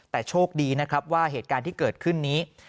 แต่โชคดีนะครับว่าเหตุการณ์ที่เกิดขึ้นนี้